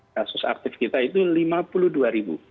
kasus aktif kita itu lima puluh dua ribu